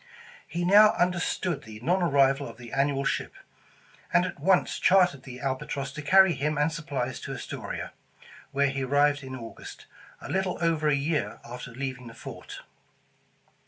He now under stood the non arrival of the annual ship, and at once chartered the Albatross to carry him and supplies to Astoria, where he arrived in August, a little over a year after leaving the fort.